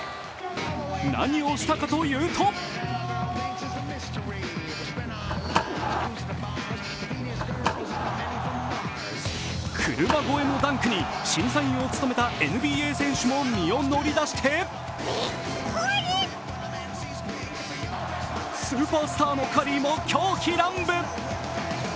何をしたかというと車越えのダンクに、審査員を務めたＮＢＡ選手も身を乗り出してスーパースターのカリーも狂喜乱舞。